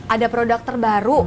ada produk terbaru